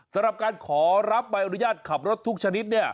สำหรับการขอรับใบอนุญาตขับรถทุกชนิดเนี่ย